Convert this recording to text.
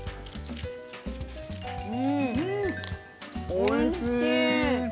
おいしい！